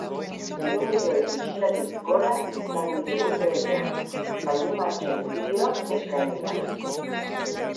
Hiru milioi bisitatik gora izan ditu urtebetean, zaldi martxen bideoak eskainita.